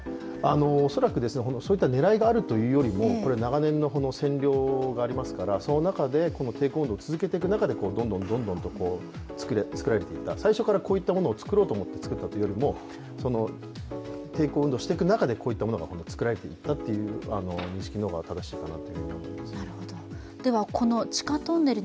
恐らく、そういった狙いがあるというよりも長年の占領がありますからその中で抵抗運動を続けていく中でどんどんと作られていった最初からこういったものを作ろうと思って作ったというよりも抵抗運動をしていく中でこういったものが作られていったという認識の方が正しいかなと。